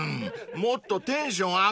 もっとテンション上げて］